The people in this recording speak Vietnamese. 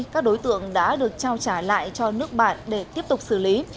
các đối tượng đã được trao trả lại cho nước bạn để tiếp tục xử lý